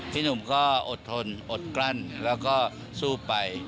พี่หนุ่มก็อดทนอดกลั้นแล้วก็สู้ไป